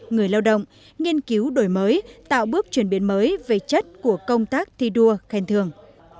người lao động nghiên cứu đổi mới tạo bước chuyển biến mới về chất của công tác thi đua khen thường